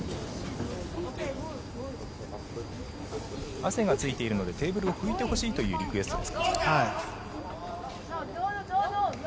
汗がついているのでテーブルを拭いてほしいというリクエストですか。